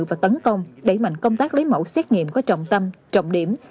và tấn công đẩy mạnh công tác lấy mẫu xét nghiệm có trọng tâm trọng điểm